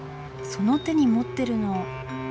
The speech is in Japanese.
その手に持ってるの。